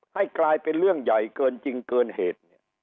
ให้กลายเป็นเรื่องใหญ่เกินจริงเกินเหตุเนี่ย